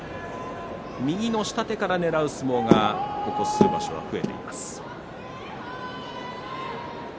右の下手からねらう相撲がここ数場所増えています。